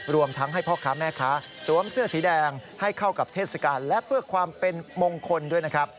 รวมทั้งให้พ่อค้าแม่ค้าสวมเสื้อสีแดงให้เข้ากับเทศกาลและเพื่อความเป็นมงคลด้วยนะครับ